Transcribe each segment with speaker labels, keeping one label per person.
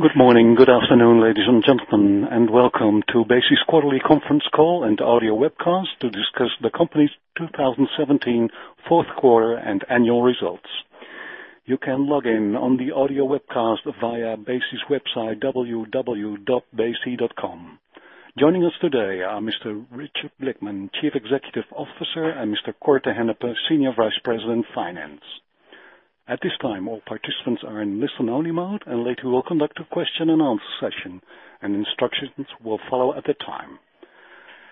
Speaker 1: Good morning. Good afternoon, ladies and gentlemen, and welcome to Besi's quarterly conference call and audio webcast to discuss the company's 2017 fourth quarter and annual results. You can log in on the audio webcast via Besi's website, www.besi.com. Joining us today are Mr. Richard Blickman, Chief Executive Officer, and Mr. Cor te Hennepe, Senior Vice President, Finance. At this time, all participants are in listen-only mode. Later we'll conduct a question and answer session, and instructions will follow at the time.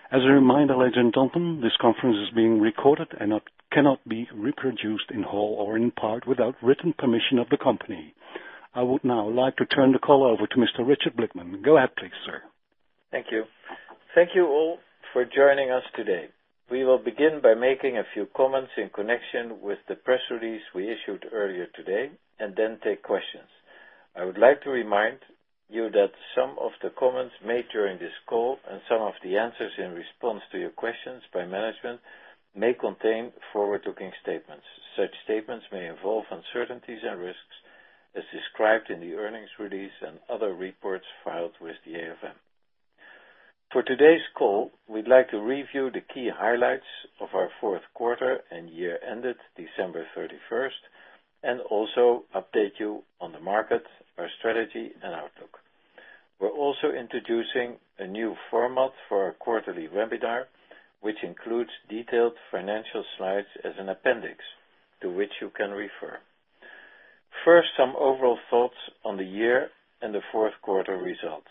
Speaker 1: As a reminder, ladies and gentlemen, this conference is being recorded and cannot be reproduced in whole or in part without written permission of the company. I would now like to turn the call over to Mr. Richard Blickman. Go ahead, please, sir.
Speaker 2: Thank you. Thank you all for joining us today. We will begin by making a few comments in connection with the press release we issued earlier today. Then take questions. I would like to remind you that some of the comments made during this call and some of the answers in response to your questions by management may contain forward-looking statements. Such statements may involve uncertainties and risks as described in the earnings release and other reports filed with the AFM. For today's call, we'd like to review the key highlights of our fourth quarter and year-ended December 31st. Also update you on the market, our strategy, and outlook. We're also introducing a new format for our quarterly webinar, which includes detailed financial slides as an appendix to which you can refer. First, some overall thoughts on the year and the fourth quarter results.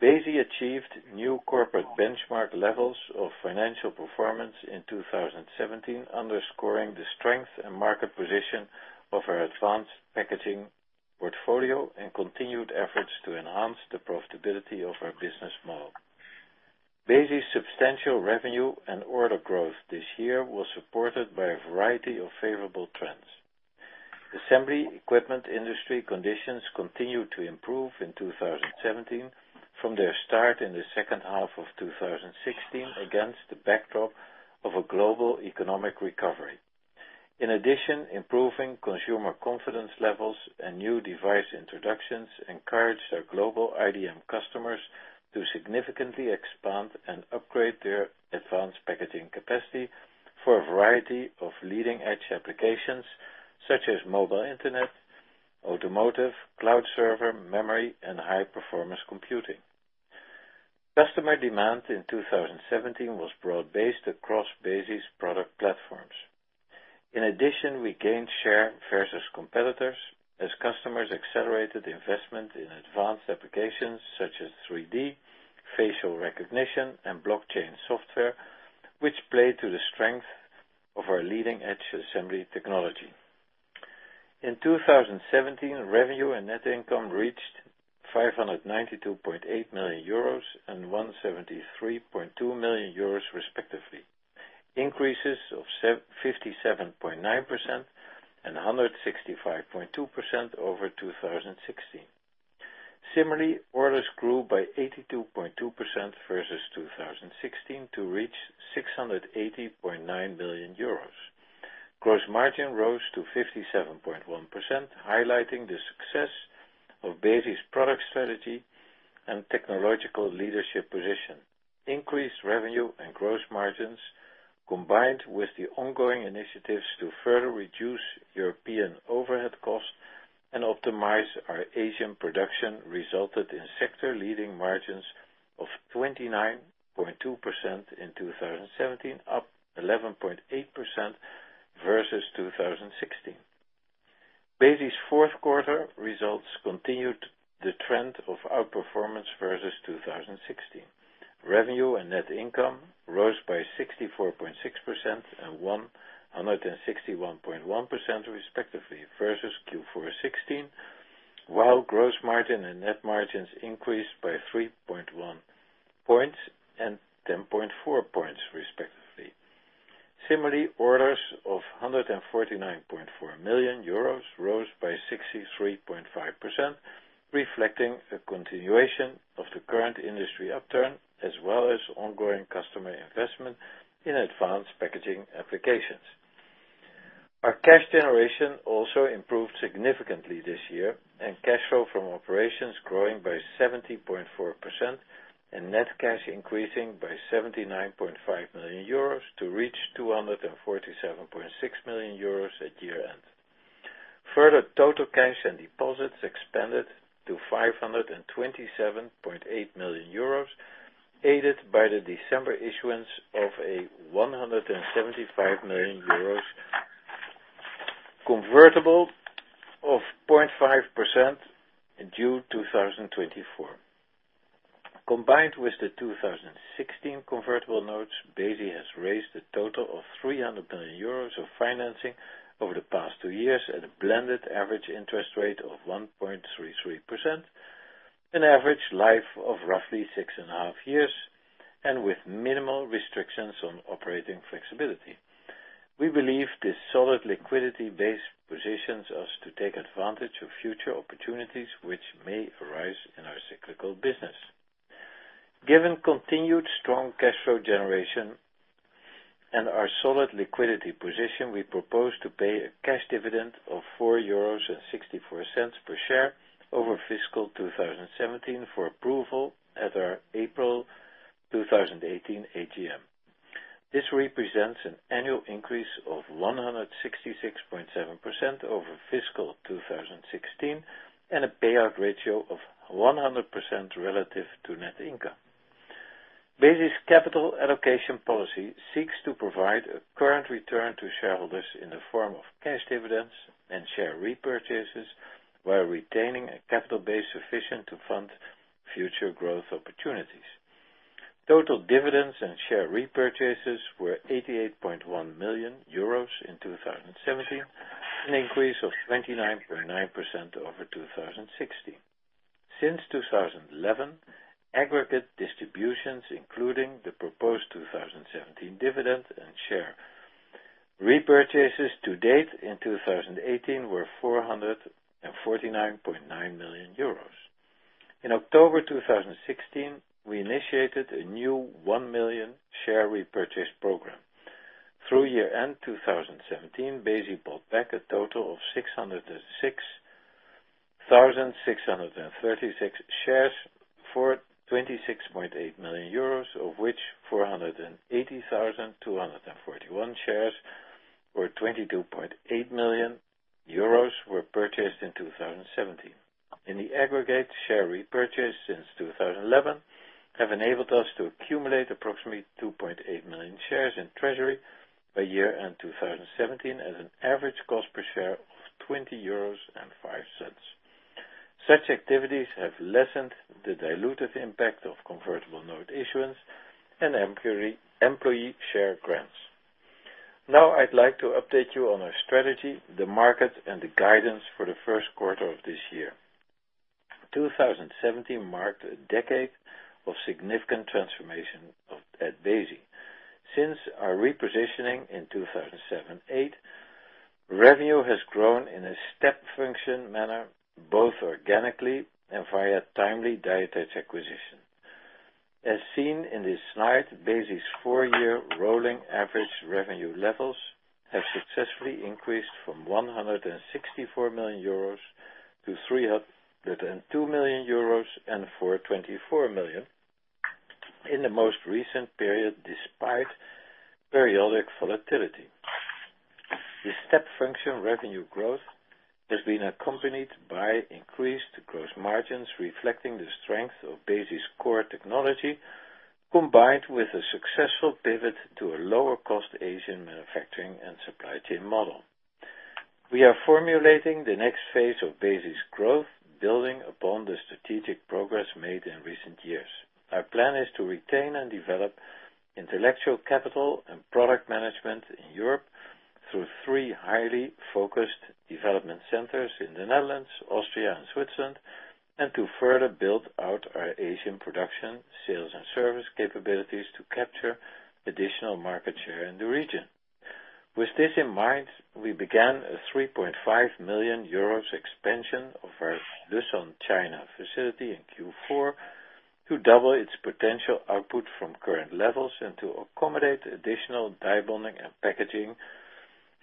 Speaker 2: Besi achieved new corporate benchmark levels of financial performance in 2017, underscoring the strength and market position of our advanced packaging portfolio and continued efforts to enhance the profitability of our business model. Besi's substantial revenue and order growth this year was supported by a variety of favorable trends. Assembly equipment industry conditions continued to improve in 2017 from their start in the second half of 2016 against the backdrop of a global economic recovery. Improving consumer confidence levels and new device introductions encouraged our global IDM customers to significantly expand and upgrade their advanced packaging capacity for a variety of leading-edge applications such as mobile internet, automotive, cloud server, memory, and high-performance computing. Customer demand in 2017 was broad-based across Besi's product platforms. We gained share versus competitors as customers accelerated investment in advanced applications such as 3D sensing, facial recognition, and blockchain software, which play to the strength of our leading-edge assembly technology. In 2017, revenue and net income reached 592.8 million euros and 173.2 million euros respectively, increases of 57.9% and 165.2% over 2016. Orders grew by 82.2% versus 2016 to reach 680.9 million euros. Gross margin rose to 57.1%, highlighting the success of Besi's product strategy and technological leadership position. Increased revenue and gross margins, combined with the ongoing initiatives to further reduce European overhead costs and optimize our Asian production, resulted in sector-leading margins of 29.2% in 2017, up 11.8% versus 2016. Besi's fourth quarter results continued the trend of outperformance versus 2016. Revenue and net income rose by 64.6% and 161.1% respectively versus Q4 2016, while gross margin and net margins increased by 3.1 points and 10.4 points respectively. Similarly, orders of 149.4 million euros rose by 63.5%, reflecting a continuation of the current industry upturn, as well as ongoing customer investment in advanced packaging applications. Our cash generation also improved significantly this year, and cash flow from operations growing by 70.4% and net cash increasing by 79.5 million euros to reach 247.6 million euros at year-end. Further, total cash and deposits expanded to 527.8 million euros, aided by the December issuance of a 175 million euros convertible of 0.5% in June 2024. Combined with the 2016 convertible notes, Besi has raised a total of 300 million euros of financing over the past two years at a blended average interest rate of 1.33%, an average life of roughly six and a half years, and with minimal restrictions on operating flexibility. We believe this solid liquidity base positions us to take advantage of future opportunities which may arise in our cyclical business. Given continued strong cash flow generation and our solid liquidity position, we propose to pay a cash dividend of 4.64 euros per share over fiscal 2017 for approval at our April 2018 AGM. This represents an annual increase of 166.7% over fiscal 2016 and a payout ratio of 100% relative to net income. Besi's capital allocation policy seeks to provide a current return to shareholders in the form of cash dividends and share repurchases while retaining a capital base sufficient to fund future growth opportunities. Total dividends and share repurchases were 88.1 million euros in 2017, an increase of 29.9% over 2016. Since 2011, aggregate distributions, including the proposed 2017 dividend and share repurchases to date in 2018 were 449.9 million euros. In October 2016, we initiated a new one million share repurchase program. Through year-end 2017, Besi bought back a total of 606,636 shares for 26.8 million euros, of which 480,241 shares, or 22.8 million euros, were purchased in 2017. In the aggregate, share repurchases since 2011 have enabled us to accumulate approximately 2.8 million shares in treasury by year-end 2017, at an average cost per share of 20.05 euros. Such activities have lessened the dilutive impact of convertible note issuance and employee share grants. Now, I'd like to update you on our strategy, the market, and the guidance for the first quarter of this year. 2017 marked a decade of significant transformation at Besi. Since our repositioning in 2007-2008, revenue has grown in a step function manner, both organically and via timely die attach acquisition. As seen in this slide, Besi's four-year rolling average revenue levels have successfully increased from 164 million euros to 302 million euros and 424 million in the most recent period, despite periodic volatility. The step function revenue growth has been accompanied by increased gross margins, reflecting the strength of Besi's core technology, combined with a successful pivot to a lower-cost Asian manufacturing and supply chain model. We are formulating the next phase of Besi's growth, building upon the strategic progress made in recent years. Our plan is to retain and develop intellectual capital and product management in Europe through three highly focused development centers in the Netherlands, Austria, and Switzerland, and to further build out our Asian production, sales, and service capabilities to capture additional market share in the region. With this in mind, we began a €3.5 million expansion of our Leshan, China facility in Q4 to double its potential output from current levels and to accommodate additional die bonding and packaging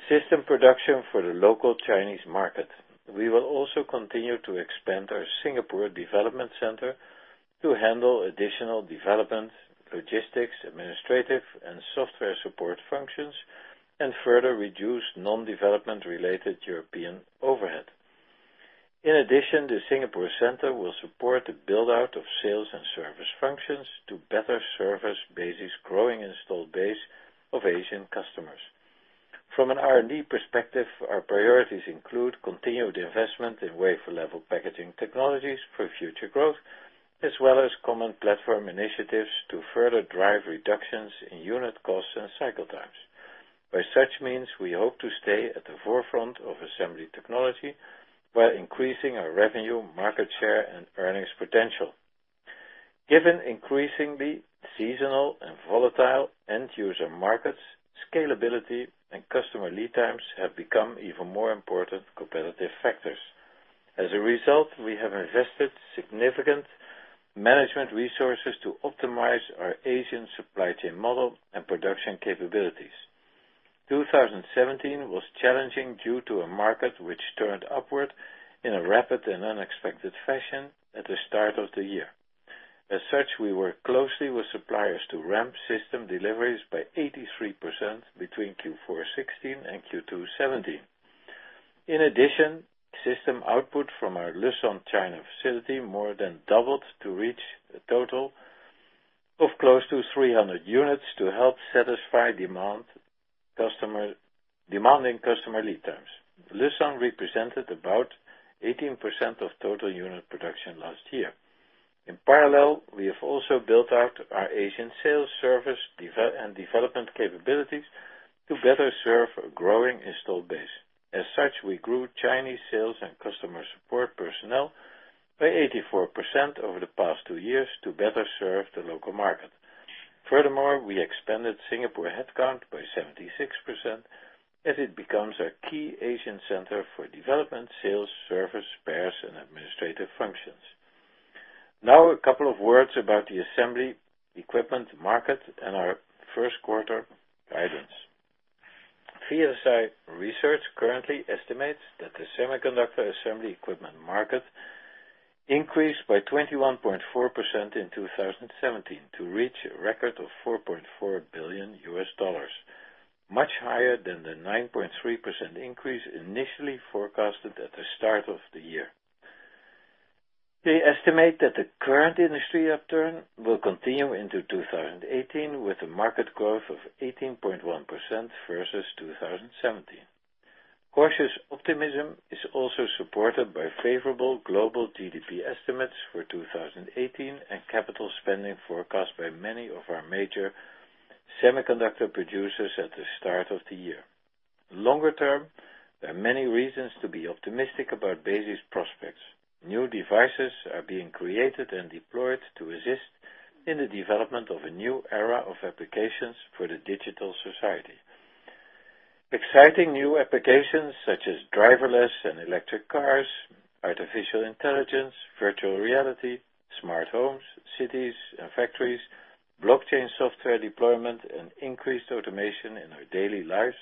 Speaker 2: system production for the local Chinese market. We will also continue to expand our Singapore Development Center to handle additional development, logistics, administrative, and software support functions, and further reduce non-development related European overhead. The Singapore Center will support the build-out of sales and service functions to better service Besi's growing installed base of Asian customers. From an R&D perspective, our priorities include continued investment in wafer-level packaging technologies for future growth, as well as common platform initiatives to further drive reductions in unit costs and cycle times. By such means, we hope to stay at the forefront of assembly technology while increasing our revenue, market share, and earnings potential. Given increasingly seasonal and volatile end-user markets, scalability and customer lead times have become even more important competitive factors. We have invested significant management resources to optimize our Asian supply chain model and production capabilities. 2017 was challenging due to a market which turned upward in a rapid and unexpected fashion at the start of the year. We worked closely with suppliers to ramp system deliveries by 83% between Q4 '16 and Q2 '17. System output from our Leshan, China facility more than doubled to reach a total of close to 300 units to help satisfy demanding customer lead times. Leshan represented about 18% of total unit production last year. We have also built out our Asian sales service and development capabilities to better serve a growing installed base. We grew Chinese sales and customer support personnel by 84% over the past two years to better serve the local market. We expanded Singapore headcount by 76%, as it becomes our key Asian center for development, sales, service, spares, and administrative functions. A couple of words about the assembly equipment market and our first quarter guidance. VLSI Research currently estimates that the semiconductor assembly equipment market increased by 21.4% in 2017 to reach a record of $4.4 billion, much higher than the 9.3% increase initially forecasted at the start of the year. They estimate that the current industry upturn will continue into 2018 with a market growth of 18.1% versus 2017. Cautious optimism is also supported by favorable global GDP estimates for 2018 and capital spending forecast by many of our major semiconductor producers at the start of the year. There are many reasons to be optimistic about Besi's prospects. New devices are being created and deployed to assist in the development of a new era of applications for the digital society. Exciting new applications such as driverless and electric cars, artificial intelligence, virtual reality, smart homes, cities, and factories, blockchain software deployment, and increased automation in our daily lives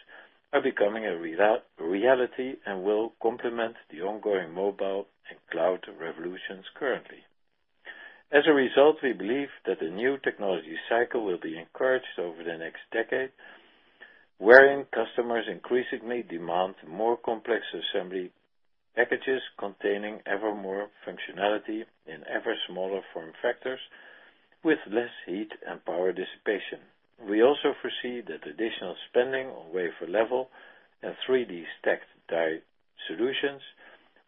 Speaker 2: are becoming a reality and will complement the ongoing mobile and cloud revolutions currently. We believe that the new technology cycle will be encouraged over the next decade, wherein customers increasingly demand more complex assembly packages containing ever more functionality in ever smaller form factors with less heat and power dissipation. We also foresee that additional spending on wafer level and 3D stacked die solutions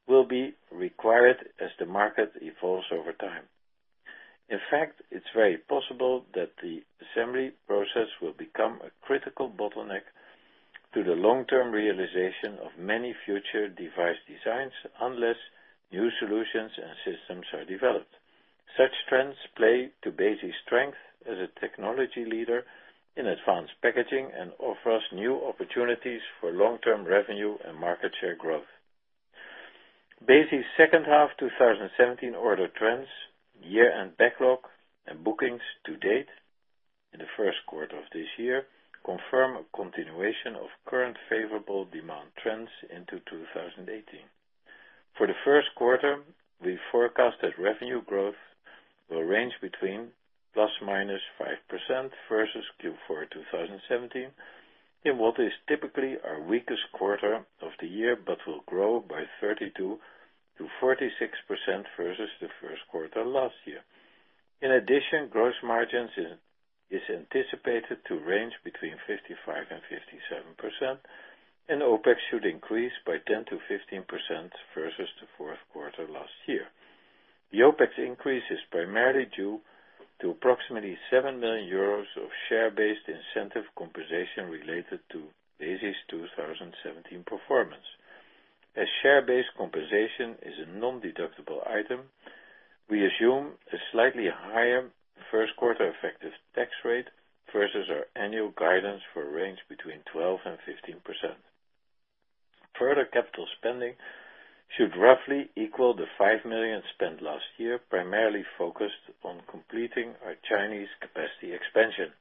Speaker 2: will be required as the market evolves over time. In fact, it is very possible that the assembly process will become a critical bottleneck to the long-term realization of many future device designs unless new solutions and systems are developed. Such trends play to Besi's strength as a technology leader in advanced packaging and offer us new opportunities for long-term revenue and market share growth. Besi's second half 2017 order trends, year-end backlog, and bookings to date in the first quarter of this year confirm a continuation of current favorable demand trends into 2018. For the first quarter, we forecast that revenue growth will range between ±5% versus Q4 2017, in what is typically our weakest quarter of the year but will grow by 32%-46% versus the first quarter last year. In addition, gross margins is anticipated to range between 55% and 57%, OPEX should increase by 10%-15% versus the fourth quarter last year. The OPEX increase is primarily due to approximately 7 million euros of share-based incentive compensation related to Besi's 2017 performance. As share-based compensation is a non-deductible item, we assume a slightly higher first quarter effective tax rate versus our annual guidance for a range between 12% and 15%. Further capital spending should roughly equal the 5 million spent last year, primarily focused on completing our Chinese capacity expansion.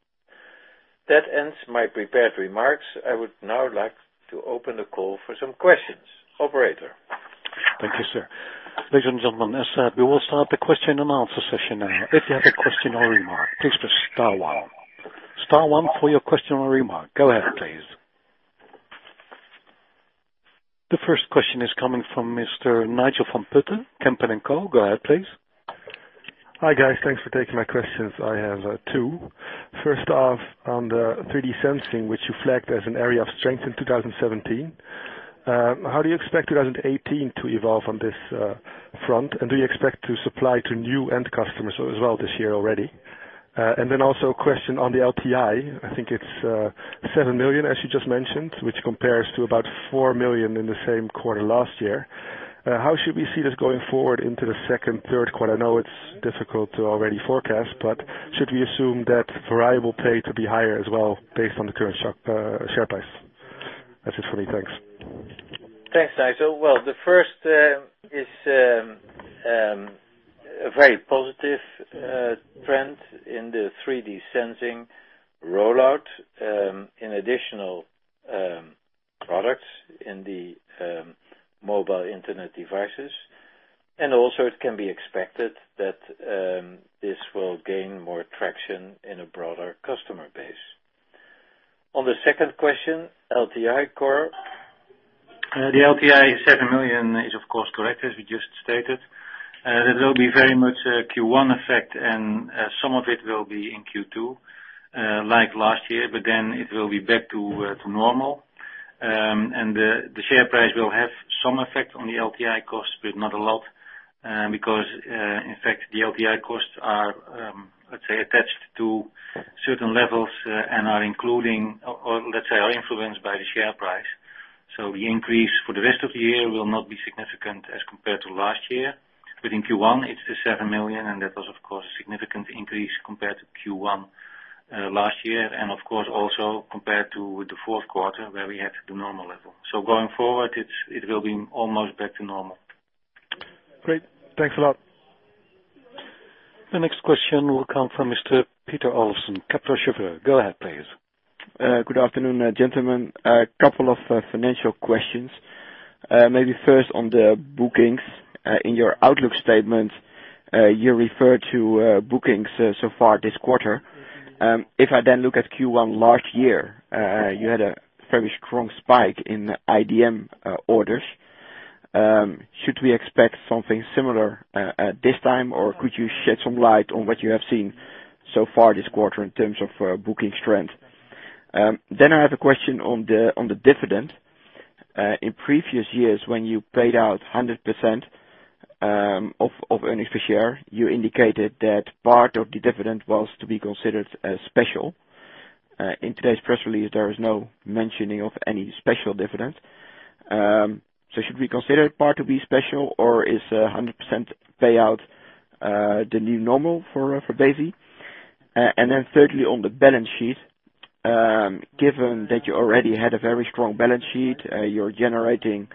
Speaker 2: That ends my prepared remarks. I would now like to open the call for some questions. Operator?
Speaker 1: Thank you, sir. Ladies and gentlemen, as said, we will start the question and answer session now. If you have a question or remark, please press star one. Star one for your question or remark. Go ahead, please. The first question is coming from Mr. Nigel van Putten, Kempen & Co. Go ahead, please.
Speaker 3: Hi, guys. Thanks for taking my questions. I have two. First off, on the 3D sensing, which you flagged as an area of strength in 2017, how do you expect 2018 to evolve on this front? Do you expect to supply to new end customers as well this year already? Also a question on the LTI. I think it is 7 million, as you just mentioned, which compares to about 4 million in the same quarter last year. How should we see this going forward into the second, third quarter? I know it is difficult to already forecast, but should we assume that variable pay to be higher as well based on the current share price? That is it for me. Thanks.
Speaker 2: Thanks, Nigel. The first is a very positive trend in the 3D sensing rollout, in additional products in the mobile internet devices, also it can be expected that this will gain more traction in a broader customer base. On the second question, LTI Cor. The LTI 7 million is, of course, correct, as we just stated. It will be very much a Q1 effect, and some of it will be in Q2, like last year, it will be back to normal. The share price will have some effect on the LTI cost, but not a lot, because, in fact, the LTI costs are, let's say, attached to certain levels and are including, or let's say, are influenced by the share price. The increase for the rest of the year will not be significant as compared to last year. In Q1 it's the 7 million, that was of course a significant increase compared to Q1 last year, of course also compared to the fourth quarter where we had the normal level. Going forward it will be almost back to normal.
Speaker 3: Great. Thanks a lot.
Speaker 1: The next question will come from Mr. Peter Olofsen, Kepler Cheuvreux. Go ahead, please.
Speaker 4: Good afternoon, gentlemen. A couple of financial questions. Maybe first on the bookings. In your outlook statement, you referred to bookings so far this quarter. If I look at Q1 last year, you had a very strong spike in IDM orders. Should we expect something similar this time, or could you shed some light on what you have seen so far this quarter in terms of booking strength? I have a question on the dividend. In previous years, when you paid out 100% of earnings per share, you indicated that part of the dividend was to be considered as special. In today's press release, there is no mentioning of any special dividend. Should we consider part to be special or is 100% payout the new normal for Besi? Thirdly, on the balance sheet, given that you already had a very strong balance sheet, you're generating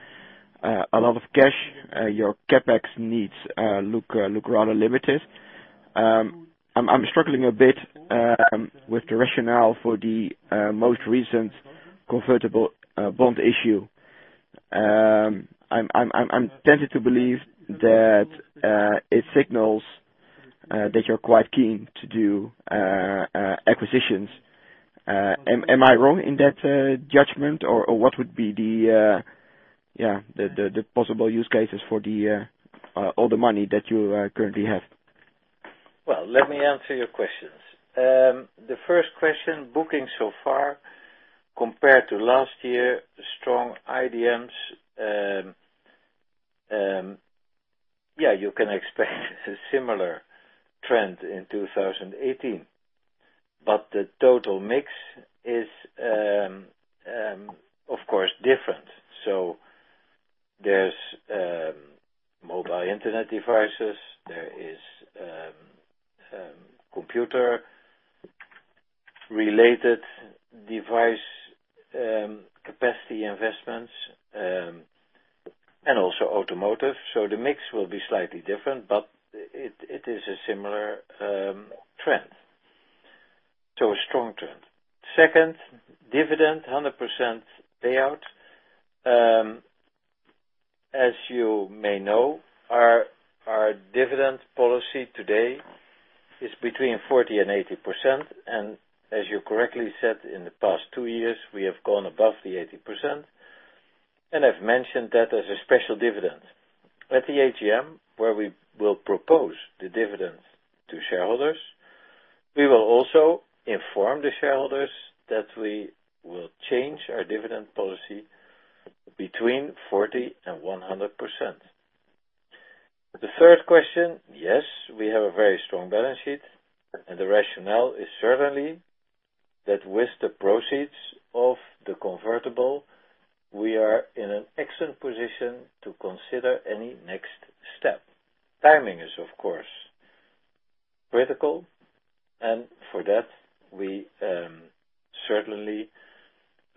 Speaker 4: a lot of cash, your CapEx needs look rather limited. I'm struggling a bit with the rationale for the most recent convertible bond issue. I'm tempted to believe that it signals that you're quite keen to do acquisitions. Am I wrong in that judgment, or what would be the possible use cases for all the money that you currently have?
Speaker 2: Well, let me answer your questions. The first question, booking so far compared to last year, strong IDMs. Yeah, you can expect a similar trend in 2018. The total mix is of course different. There's mobile internet devices, there is computer-related device capacity investments, and also automotive. The mix will be slightly different, but it is a similar trend. A strong trend. Second, dividend, 100% payout. As you may know, our dividend policy today is between 40% and 80%, and as you correctly said, in the past two years, we have gone above the 80%, and I've mentioned that as a special dividend. At the AGM, where we will propose the dividends to shareholders, we will also inform the shareholders that we will change our dividend policy between 40% and 100%. The third question, yes, we have a very strong balance sheet, and the rationale is certainly that with the proceeds of the convertible, we are in an excellent position to consider any next step. Timing is, of course, critical, and for that, we certainly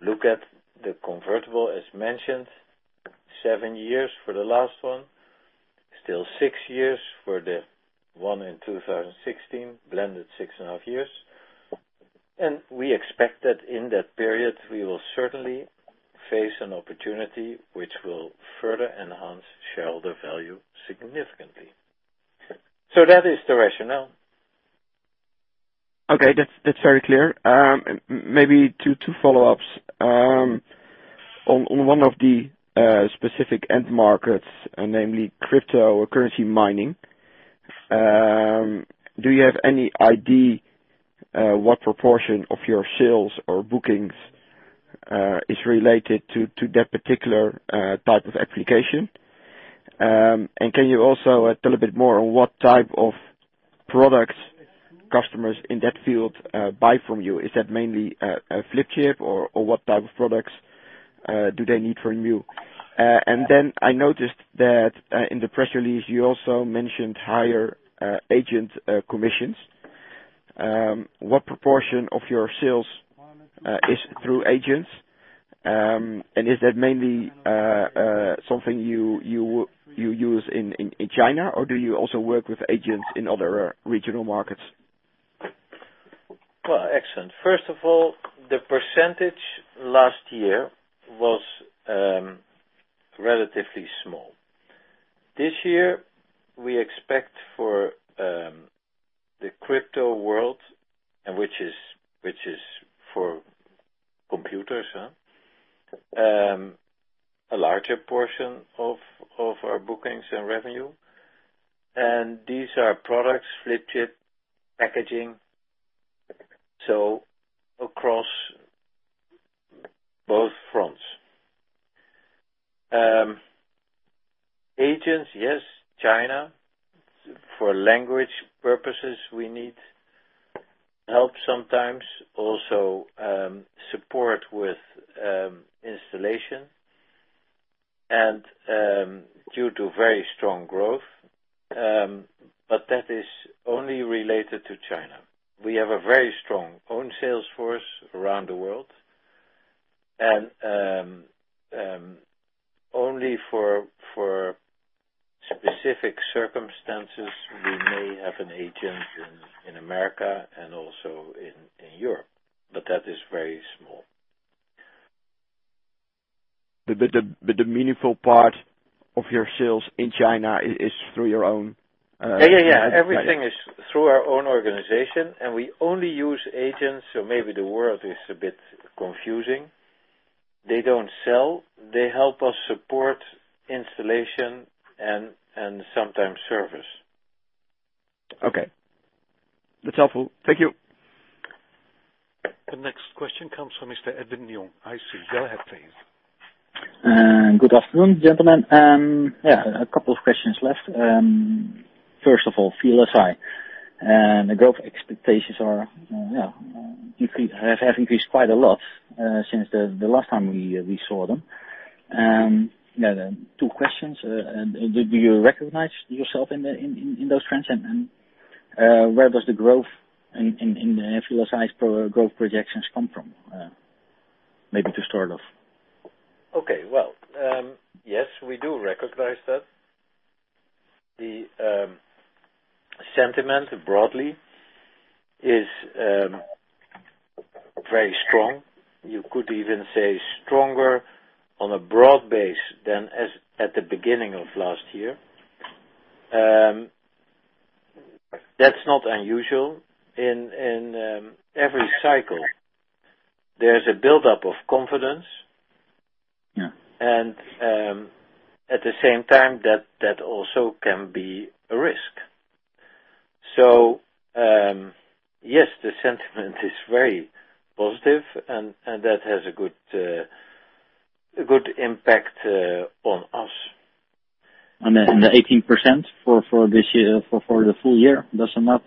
Speaker 2: look at the convertible as mentioned, seven years for the last one, still six years for the one in 2016, blended six and a half years. We expect that in that period, we will certainly face an opportunity which will further enhance shareholder value significantly. That is the rationale.
Speaker 4: Okay. That's very clear. Maybe two follow-ups. On one of the specific end markets, namely cryptocurrency mining, do you have any idea what proportion of your sales or bookings is related to that particular type of application? Can you also tell a bit more on what type of products customers in that field buy from you? Is that mainly a flip chip or what type of products do they need from you? I noticed that in the press release you also mentioned higher agent commissions. What proportion of your sales is through agents? Is that mainly something you use in China, or do you also work with agents in other regional markets?
Speaker 2: Well, excellent. First of all, the percentage last year was relatively small. This year, we expect for the crypto world, which is for computers, a larger portion of our bookings and revenue. These are products, flip chip, packaging, so across both fronts. Agents, yes, China. For language purposes, we need help sometimes, also support with installation and due to very strong growth, but that is only related to China. We have a very strong own sales force around the world. Only for specific circumstances, we may have an agent in America and also in Europe, but that is very small.
Speaker 4: The meaningful part of your sales in China is through your own-
Speaker 2: Yeah. Everything is through our own organization, and we only use agents, so maybe the word is a bit confusing. They don't sell. They help us support installation and sometimes service.
Speaker 4: Okay. That's helpful. Thank you.
Speaker 1: The next question comes from Mr. Evan Young. I see. Go ahead, please.
Speaker 5: Good afternoon, gentlemen. A couple of questions left. First of all, VLSI, the growth expectations have increased quite a lot since the last time we saw them. Two questions. Do you recognize yourself in those trends? Where does the growth in VLSI's growth projections come from? Maybe to start off.
Speaker 2: Okay. Yes, we do recognize that. The sentiment broadly is very strong. You could even say stronger on a broad base than at the beginning of last year. That's not unusual. In every cycle, there's a buildup of confidence.
Speaker 5: Yeah.
Speaker 2: At the same time, that also can be a risk. Yes, the sentiment is very positive, and that has a good impact on us.
Speaker 5: The 18% for the full year, does not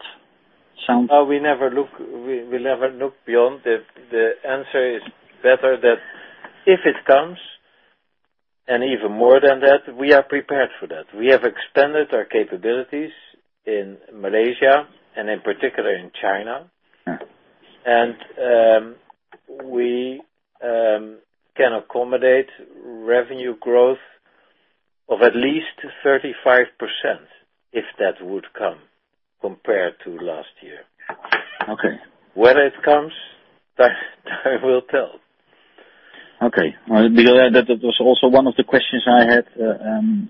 Speaker 5: sound-
Speaker 2: We never look beyond. The answer is better that if it comes, and even more than that, we are prepared for that. We have expanded our capabilities in Malaysia and in particular in China.
Speaker 5: Yeah.
Speaker 2: We can accommodate revenue growth of at least 35% if that would come compared to last year.
Speaker 5: Okay.
Speaker 2: Whether it comes, time will tell.
Speaker 5: Okay. That was also one of the questions I had.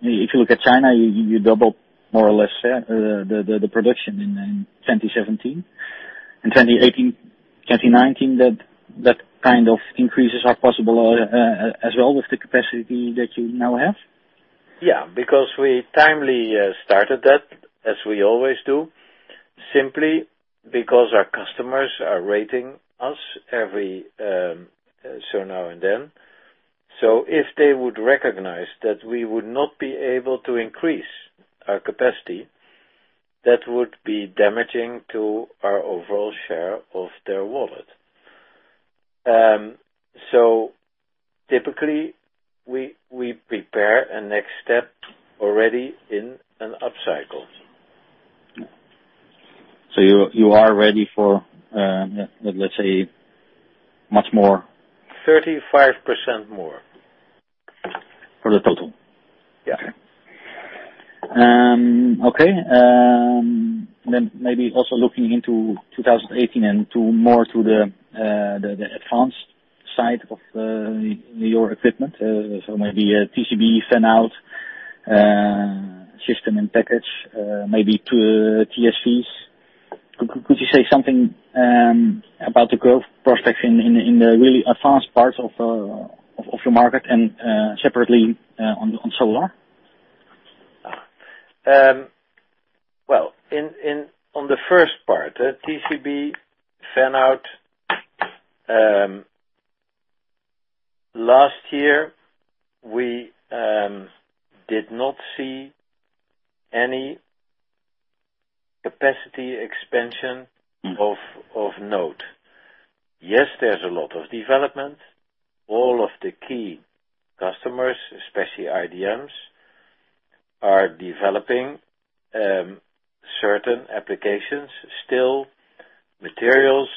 Speaker 5: If you look at China, you doubled more or less there, the production in 2017. In 2018, 2019, that kind of increases are possible as well with the capacity that you now have?
Speaker 2: Yeah, we timely started that, as we always do, simply because our customers are rating us every so now and then. If they would recognize that we would not be able to increase our capacity, that would be damaging to our overall share of their wallet. Typically, we prepare a next step already in an upcycle.
Speaker 5: You are ready for, let's say, much more.
Speaker 2: 35% more.
Speaker 5: For the total?
Speaker 2: Yeah.
Speaker 5: Okay. Maybe also looking into 2018 and more to the advanced side of your equipment, so maybe a TCB fan-out system in packages, maybe TSVs. Could you say something about the growth prospects in the really advanced parts of your market and separately on solar?
Speaker 2: Well, on the first part, TCB fan-out, last year, we did not see any capacity expansion of note. Yes, there's a lot of development. All of the key customers, especially IDMs, are developing certain applications. Still, materials,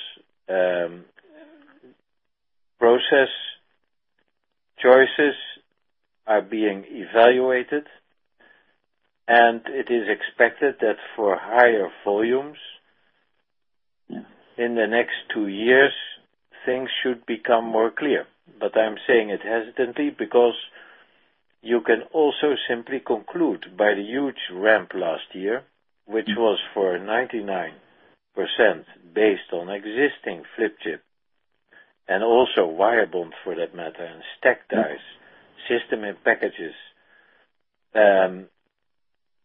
Speaker 2: process choices are being evaluated, and it is expected that for higher volumes in the next two years, things should become more clear. I'm saying it hesitantly because you can also simply conclude by the huge ramp last year, which was for 99% based on existing flip chip and also wire bond for that matter, and stacked dies, system in packages, and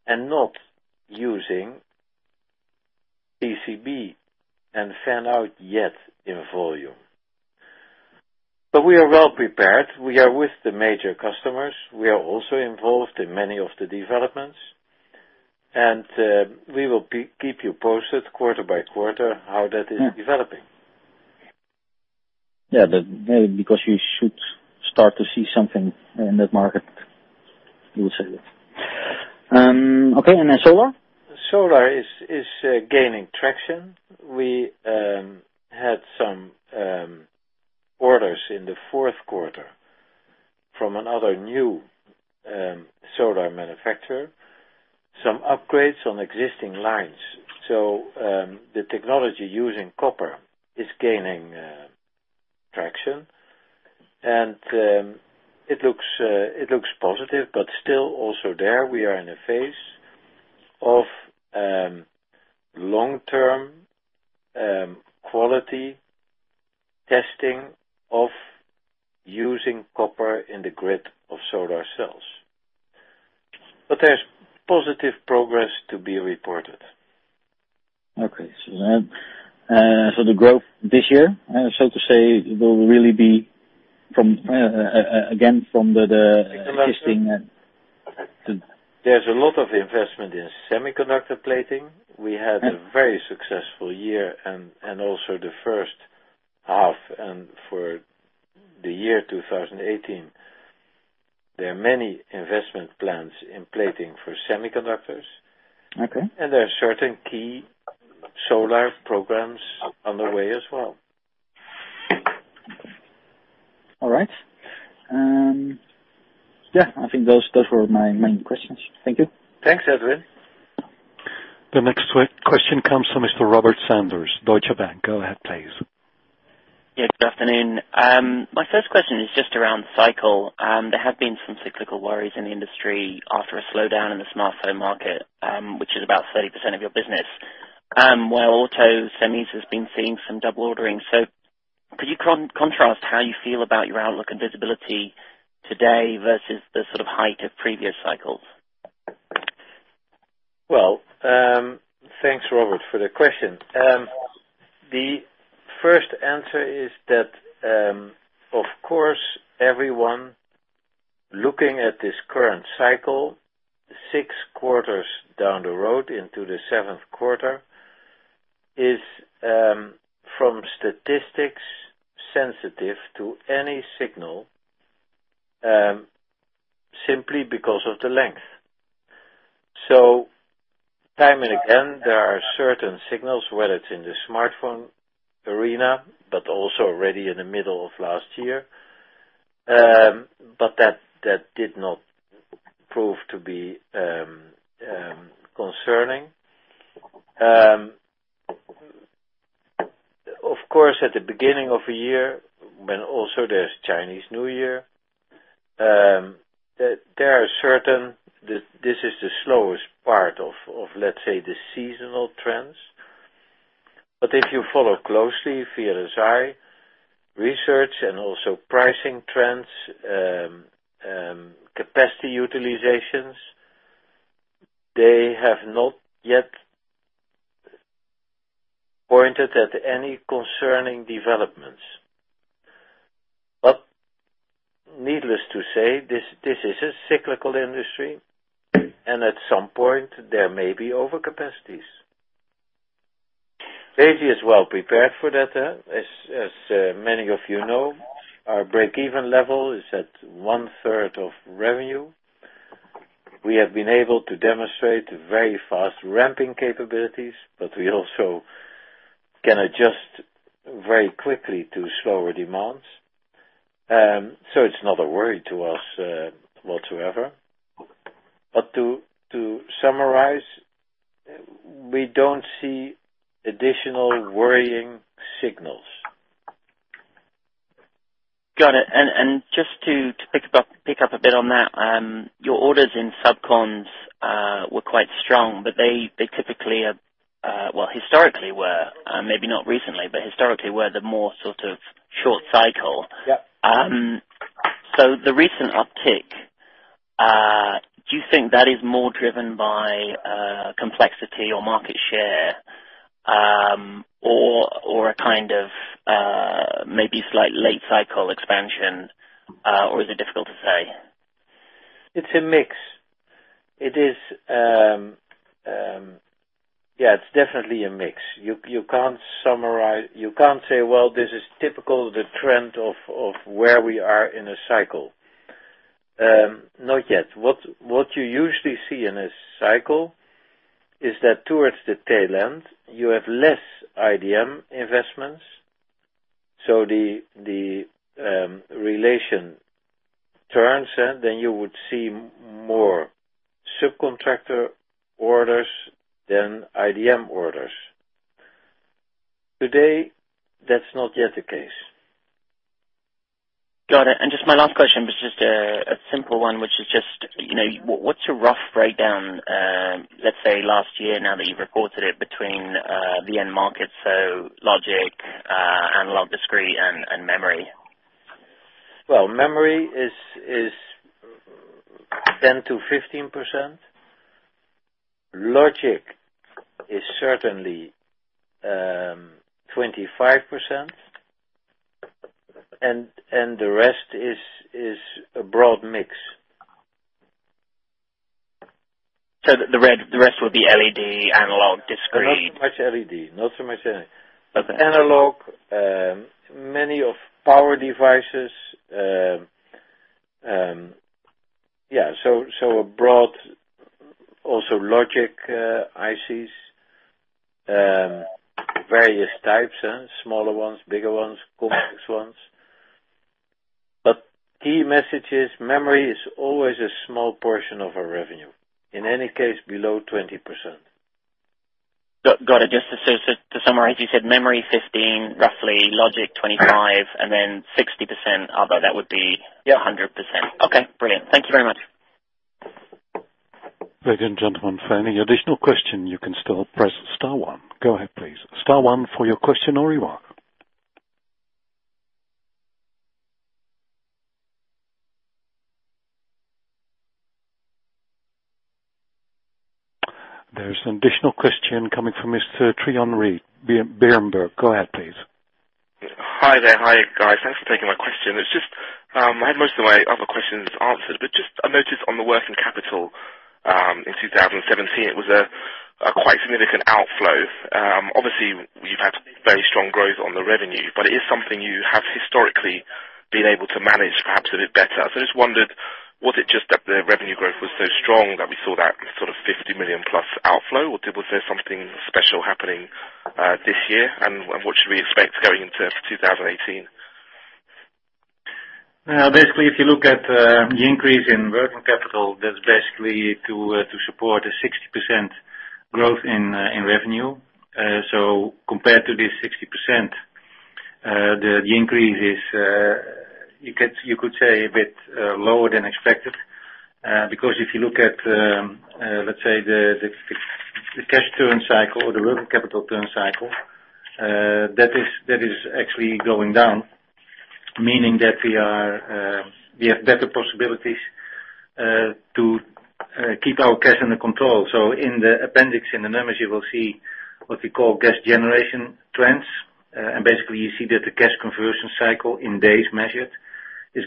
Speaker 2: not using TCB and fan-out yet in volume. We are well-prepared. We are with the major customers. We are also involved in many of the developments, and we will keep you posted quarter by quarter how that is developing.
Speaker 5: Yeah. You should start to see something in that market, you would say that. Okay, then solar?
Speaker 2: Solar is gaining traction. We had some orders in the fourth quarter from another new solar manufacturer, some upgrades on existing lines. The technology using copper is gaining traction, and it looks positive, but still also there, we are in a phase of long-term quality testing of using copper in the grid of solar cells. There's positive progress to be reported.
Speaker 5: Okay. The growth this year, so to say, will really be again from the existing
Speaker 2: There's a lot of investment in semiconductor plating. We had a very successful year, also the first half and for the year 2018, there are many investment plans in plating for semiconductors.
Speaker 5: Okay.
Speaker 2: There are certain key solar programs underway as well.
Speaker 5: All right. I think those were my main questions. Thank you.
Speaker 2: Thanks, Edwin.
Speaker 1: The next question comes from Mr. Robert Sanders, Deutsche Bank. Go ahead, please.
Speaker 6: Good afternoon. My first question is just around cycle. There have been some cyclical worries in the industry after a slowdown in the smartphone market, which is about 30% of your business, while auto semis has been seeing some double ordering. Could you contrast how you feel about your outlook and visibility today versus the sort of height of previous cycles?
Speaker 2: Well, thanks, Robert, for the question. The first answer is that, of course, everyone looking at this current cycle, six quarters down the road into the seventh quarter, is, from statistics, sensitive to any signal, simply because of the length. Time and again, there are certain signals, whether it's in the smartphone arena, also already in the middle of last year, that did not prove to be concerning. Of course, at the beginning of a year, when also there's Chinese New Year, this is the slowest part of, let's say, the seasonal trends. If you follow closely via VLSI Research and also pricing trends, capacity utilizations, they have not yet pointed at any concerning developments. Needless to say, this is a cyclical industry, and at some point, there may be overcapacities. Besi is well-prepared for that. As many of you know, our break-even level is at one-third of revenue. We have been able to demonstrate very fast ramping capabilities, we also can adjust very quickly to slower demands. It's not a worry to us whatsoever. To summarize, we don't see additional worrying signals.
Speaker 6: Got it. Just to pick up a bit on that, your orders in subcon were quite strong, they typically, well, historically were, maybe not recently, historically were the more sort of short cycle.
Speaker 2: Yeah.
Speaker 6: The recent uptick, do you think that is more driven by complexity or market share, or a kind of maybe slight late cycle expansion? Or is it difficult to say?
Speaker 2: It's a mix. It's definitely a mix. You can't say, "Well, this is typical of the trend of where we are in a cycle." Not yet. What you usually see in a cycle is that towards the tail end, you have less IDM investments, the relation turns, you would see more subcontractor orders than IDM orders. Today, that's not yet the case.
Speaker 6: Got it. Just my last question was just a simple one, which is just, what's your rough breakdown, let's say, last year, now that you've reported it between the end markets, logic, analog, discrete, and memory?
Speaker 2: Well, memory is 10%-15%. Logic is certainly 25%, the rest is a broad mix.
Speaker 6: The rest would be LED, analog, discrete.
Speaker 2: Not so much LED. Analog, many of power devices. Broad, also logic ICs, various types, smaller ones, bigger ones, complex ones. Key message is memory is always a small portion of our revenue. In any case, below 20%.
Speaker 6: Got it. Just to summarize, you said memory 15%, roughly logic 25%, and then 60% other.
Speaker 2: Yeah
Speaker 6: 100%. Okay, brilliant. Thank you very much.
Speaker 1: Ladies and gentlemen, for any additional question, you can still press star one. Go ahead, please. Star one for your question or remark. There's an additional question coming from Mr. Trion Reid, Berenberg. Go ahead, please.
Speaker 7: Hi there. Hi, guys. Thanks for taking my question. I had most of my other questions answered, just a notice on the working capital, in 2017, it was a quite significant outflow. Obviously, we've had very strong growth on the revenue, but it is something you have historically been able to manage perhaps a bit better. Just wondered, was it just that the revenue growth was so strong that we saw that sort of 50 million plus outflow, was there something special happening this year, and what should we expect going into 2018?
Speaker 8: Basically, if you look at the increase in working capital, that's basically to support a 60% growth in revenue. Compared to this 60%, the increase is, you could say, a bit lower than expected. If you look at, let's say, the cash turn cycle or the working capital turn cycle, that is actually going down, meaning that we have better possibilities to keep our cash under control. In the appendix, in the numbers, you will see what we call cash generation trends. Basically, you see that the cash conversion cycle in days measured is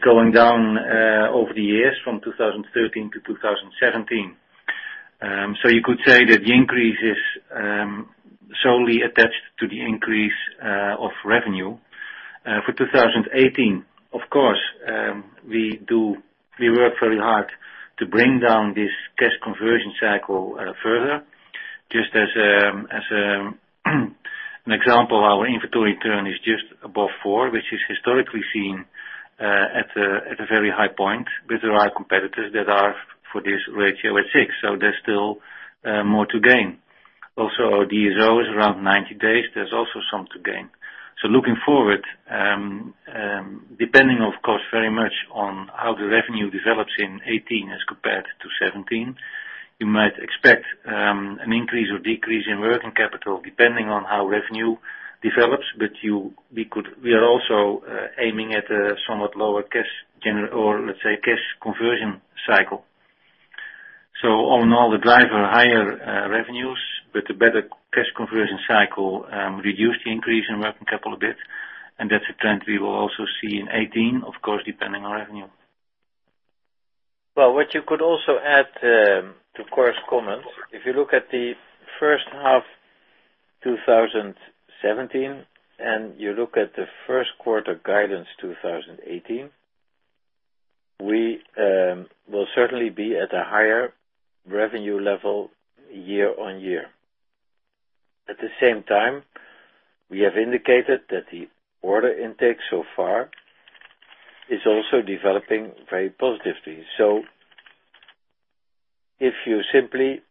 Speaker 8: going down over the years from 2013 to 2017. You could say that the increase is solely attached to the increase of revenue. For 2018, of course, we work very hard to bring down this cash conversion cycle further. Just as an example, our inventory turn is just above four, which is historically seen at a very high point, there are competitors that are for this ratio at six, there's still more to gain. Also, our DSO is around 90 days, there's also some to gain. Looking forward, depending, of course, very much on how the revenue develops in 2018 as compared to 2017, you might expect an increase or decrease in working capital depending on how revenue develops. We are also aiming at a somewhat lower, let's say, cash conversion cycle. All in all, the driver higher revenues with the better cash conversion cycle reduce the increase in working capital a bit, and that's a trend we will also see in 2018, of course, depending on revenue.
Speaker 2: What you could also add to Cor te Hennepe's comments, if you look at the first half 2017, and you look at the first quarter guidance 2018, we will certainly be at a higher revenue level year-on-year. At the same time, we have indicated that the order intake so far is also developing very positively. If you simply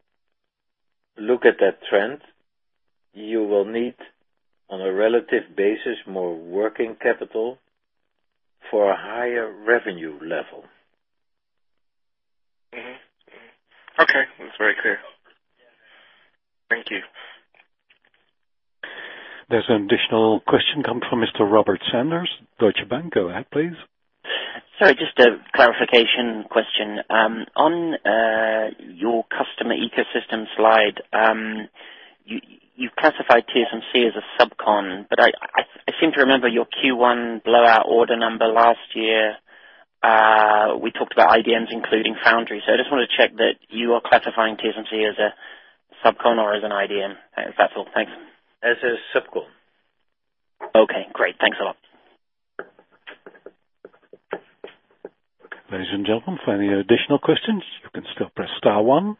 Speaker 2: look at that trend, you will need, on a relative basis, more working capital for a higher revenue level.
Speaker 7: Okay. That's very clear. Thank you.
Speaker 1: There's an additional question coming from Mr. Robert Sanders, Deutsche Bank. Go ahead, please.
Speaker 6: Sorry, just a clarification question. On your customer ecosystem slide, you've classified TSMC as a subcon, I seem to remember your Q1 blowout order number last year, we talked about IDMs including foundry. I just want to check that you are classifying TSMC as a subcon or as an IDM. That's all. Thanks.
Speaker 2: As a subcon.
Speaker 6: Okay, great. Thanks a lot.
Speaker 1: Ladies and gentlemen, for any additional questions, you can still press star one.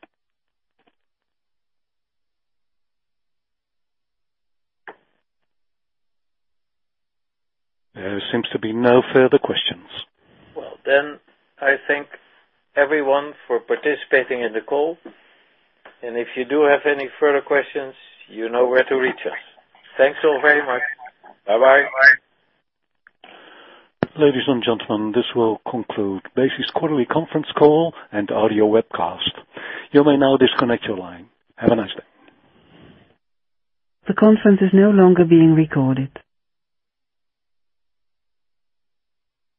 Speaker 1: There seems to be no further questions.
Speaker 2: I thank everyone for participating in the call, and if you do have any further questions, you know where to reach us. Thanks all very much. Bye-bye.
Speaker 8: Bye-bye.
Speaker 1: Ladies and gentlemen, this will conclude Besi's quarterly conference call and audio webcast. You may now disconnect your line. Have a nice day. The conference is no longer being recorded.